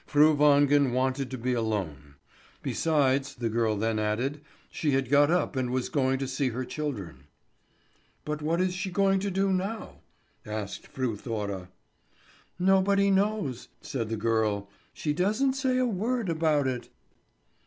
Fru Wangen wanted to be alone. Besides, the girl then added, she had got up and was going to see her children. "But what is she going to do now?" asked Fru Thora. "Nobody knows," said the girl. "She doesn't say a word about it."